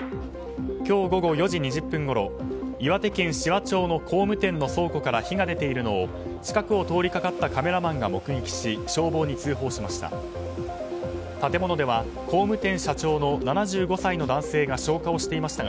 今日午後４時２０分ごろ岩手県紫波町の工務店の倉庫から火が出ているのを近くを通りかかったカメラマンが目撃し消防に通報しました。